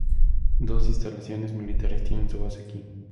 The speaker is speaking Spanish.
Dos instalaciones militares tienen su base aquí.